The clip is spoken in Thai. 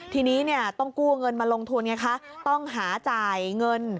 ทีนี้เนี่ยต้องกู้เงินมาลงทุนไงคะต้องหาจ่ายเงิน